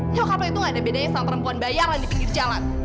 jakarta itu gak ada bedanya sama perempuan bayaran di pinggir jalan